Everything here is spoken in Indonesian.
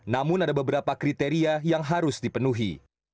namun ada beberapa kriteria yang harus dipenuhi